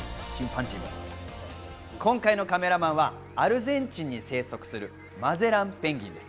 今回のカメラマンはアルゼンチンに生息するマゼランペンギンです。